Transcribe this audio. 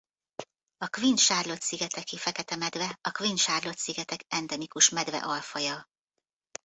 A Queen Charlotte-szigeteki fekete medve a Queen Charlotte-szigetek endemikus medve-alfaja.